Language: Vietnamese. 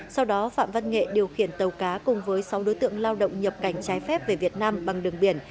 sau đó phạm văn nghệ điều khiển tàu cá cùng với sáu đối tượng lao động nhập cảnh trái phép về việt nam bằng đường biển